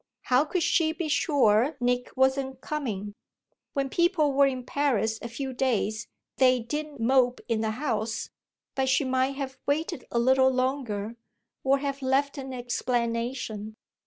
How could she be sure Nick wasn't coming? When people were in Paris a few days they didn't mope in the house, but she might have waited a little longer or have left an explanation.